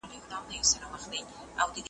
بلل کیږي چي مرغان زه یې پاچا یم .